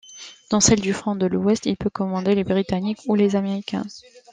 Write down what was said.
Dans celle du front de l’Ouest, il peut commander les britanniques ou les américains.